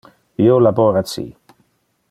Io labora ci.